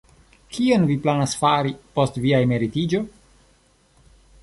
Kion vi planas fari post via emeritiĝo?